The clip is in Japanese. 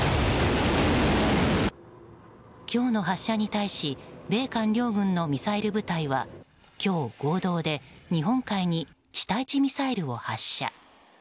今日の発射に対し米韓両軍のミサイル部隊は今日、合同で日本海に地対地ミサイルを発射。